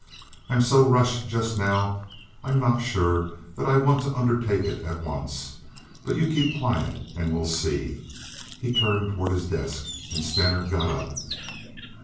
I'm so rushed just now I'm not sure that I want to undertake it at once; but you keep quiet and we'll see." He turned toward his desk, and Stener got up.